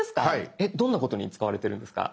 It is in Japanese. えっどんなことに使われてるんですか？